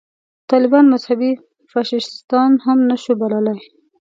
طالبان مذهبي فاشیستان هم نه شو بللای.